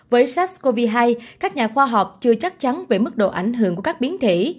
với sars cov hai các nhà khoa học chưa chắc chắn về mức độ ảnh hưởng của các biến thể